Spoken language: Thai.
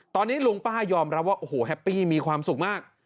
ตอนนี้ลุงป้ายอมรับว่าโอ้โหแฮปปี้มีความสุขมาก